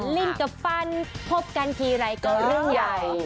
ลิ่นกับฟันคบกันทีไรก็เรื่องใหญ่